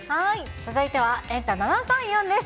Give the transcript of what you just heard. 続いてはエンタ７３４です。